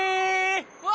うわ！